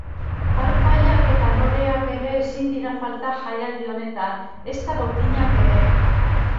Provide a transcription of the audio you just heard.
Parpailak eta loreak ere ezin dira falta jaialdi honetan, ezta botinak ere.